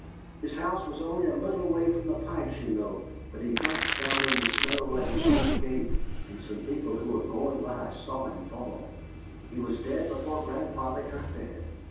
His house is only a little way from the Pikes', you know; but he dropped down in the snow at his own gate, and some people who were going by saw him fall. He was dead before grandfather got there."